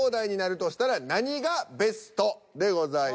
でございます。